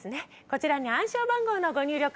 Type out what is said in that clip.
こちらに暗証番号のご入力